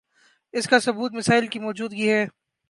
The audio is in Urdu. اسکا ثبوت مسائل کی موجودگی ہے